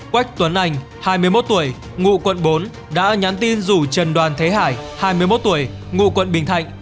quách tuấn anh hai mươi một tuổi ngụ quận bốn đã nhắn tin rủ trần đoàn thế hải hai mươi một tuổi ngụ quận bình thạnh